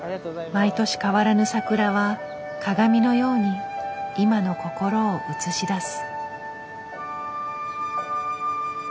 毎年変わらぬ桜は鏡のように今の心を映し出す。